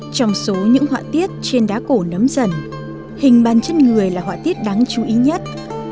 trong số những họa tiết trên đá cổ nấm dần hình ban chân người là họa tiết đáng chú ý nhất